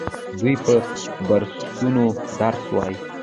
دوی په بورسونو درس وايي.